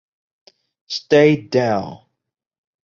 Stay Down!